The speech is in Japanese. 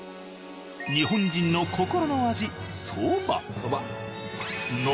日本人の心の味